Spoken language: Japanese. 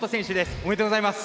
おめでとうございます。